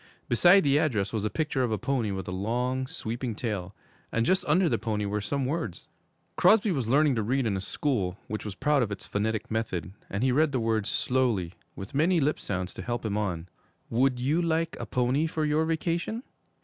Beside the address was a picture of a pony with a long, sweeping tail, and just under the pony were some words. Crosby was learning to read in a school which was proud of its 'phonetic method,' and he read the words slowly, with many little lip sounds to help him on. 'Would you like a pony for your vacation?